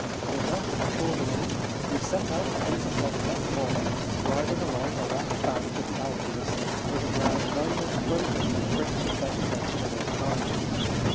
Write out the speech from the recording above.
Thither, accordingly, we set out at eight o'clock next morning, rid ing along the left bank of the Alphe us over ground very much broken and rich in vegetation of all kinds.